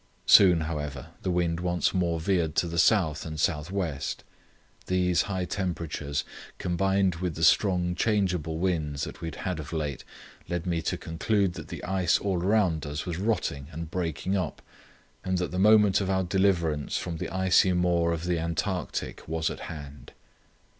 Soon, however, the wind once more veered to the south and south west. These high temperatures, combined with the strong changeable winds that we had had of late, led me to conclude that the ice all around us was rotting and breaking up and that the moment of our deliverance from the icy maw of the Antarctic was at hand.